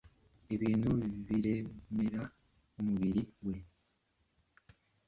ibintu biremerera umubiri we